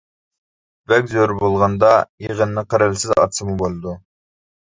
بەك زۆرۈر بولغاندا، يىغىننى قەرەلسىز ئاچسىمۇ بولىدۇ.